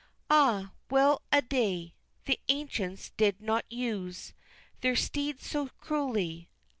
Ah well a day! the ancients did not use Their steeds so cruelly!